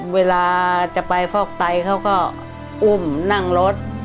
เวลาจะไปฟอกไตเขาก็อุ้มนั่งรถ